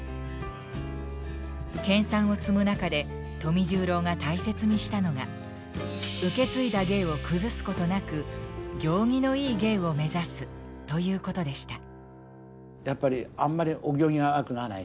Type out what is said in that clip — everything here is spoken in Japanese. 研鑽を積む中で富十郎が大切にしたのが受け継いだ芸を崩すことなく「行儀のいい芸」を目指すということでした。